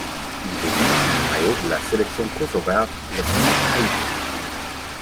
Il débute sous le maillot de la sélection kosovare le contre Haïti.